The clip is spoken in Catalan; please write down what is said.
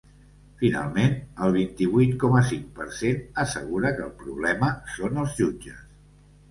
Finalment, el vint-i-vuit coma cinc per cent assegura que el problema són els jutges.